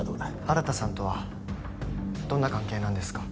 新さんとはどんな関係なんですか？